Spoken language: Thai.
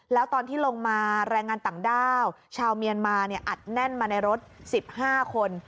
แล้วตอนที่ลงมาแรงงานต่างด้าวชาวเมียนมาอัดแน่นมาในรถ๑๕คน